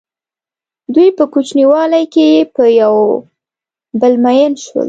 دوی په کوچنیوالي کې په یو بل مئین شول.